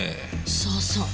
そうそう。